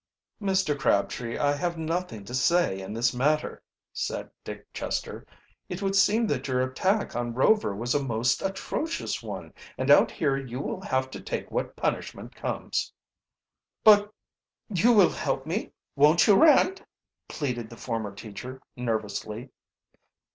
"Mr. Crabtree, I have nothing to say in this matter," said Dick Chester. "It would seem that your attack on Rover was a most atrocious one, and out here you will have to take what punishment comes." "But you will help me, won't you, Rand?" pleaded the former teacher, nervously.